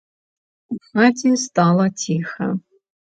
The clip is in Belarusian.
У хаце стала ціха.